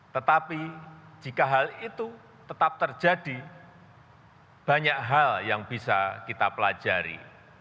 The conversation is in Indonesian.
tetapi jika hal itu tetap terjadi banyak hal yang bisa kita pelajari